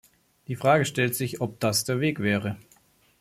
Die Frage stellt sich, ob das der Weg wäre.